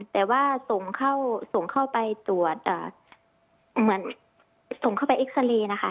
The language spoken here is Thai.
แต่ว่าส่งเข้าไปตรวจเหมือนส่งเข้าไปเอ็กซาเรย์นะคะ